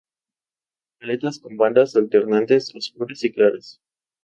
Aletas con bandas alternantes oscuras y claras.